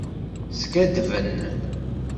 Skaddben.